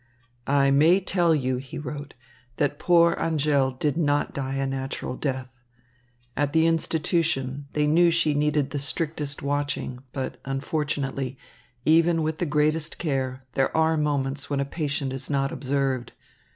"I may tell you," he wrote, "that poor Angèle did not die a natural death. At the institution, they knew she needed the strictest watching, but, unfortunately, even with the greatest care, there are moments when a patient is not observed.